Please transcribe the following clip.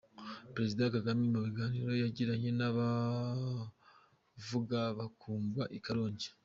Perezida Kagame mu biganiro yagiranye n’abavuga bakumvwa i Karongi.